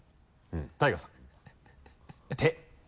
ＴＡＩＧＡさん「て」